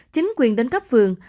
chính quyền đến cấp phường